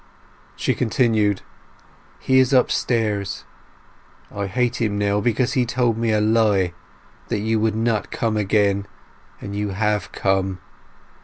She continued— "He is upstairs. I hate him now, because he told me a lie—that you would not come again; and you have come!